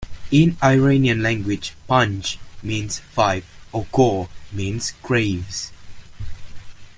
In Iranian languages "panj" means "five" and "gor" means "graves".